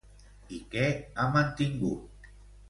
I què ha mantingut?